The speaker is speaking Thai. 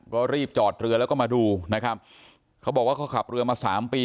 ก็รีบจอดเรือแล้วก็มาดูนะครับเขาบอกว่าเขาขับเรือมาสามปี